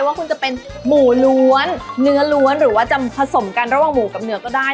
ว่าคุณจะเป็นหมูล้วนเนื้อล้วนหรือว่าจะผสมกันระหว่างหมูกับเนื้อก็ได้